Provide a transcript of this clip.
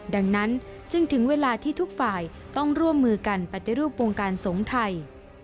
ดังนั้นจึงถึงเวลาที่ทุกฝ่ายต้องร่วมมือกันปฏิรูปวงการสงฆ์ไทย